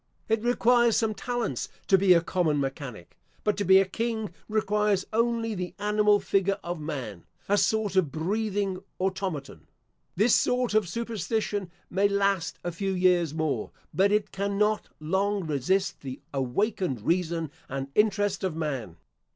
It requires some talents to be a common mechanic; but to be a king requires only the animal figure of man a sort of breathing automaton. This sort of superstition may last a few years more, but it cannot long resist the awakened reason and interest of man.